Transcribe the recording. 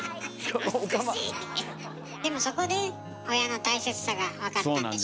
でもそこで親の大切さが分かったんでしょ？